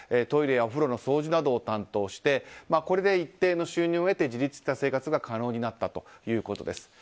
トイレやお風呂の掃除などを担当してこれで一定の収入を得て自立した生活が可能になったということです。